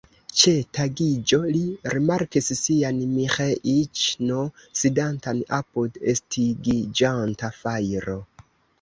Ĉe tagiĝo li rimarkis sian Miĥeiĉ'n, sidantan apud estingiĝanta fajro.